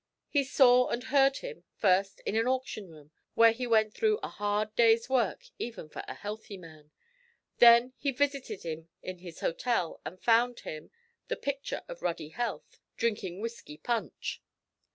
He saw and heard him, first, in an auction room, where he went through a hard day's work even for a healthy man; then he visited him in his hotel and found him, the picture of ruddy health, drinking whisky punch.